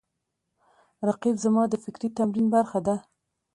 رقیب زما د فکري تمرین برخه ده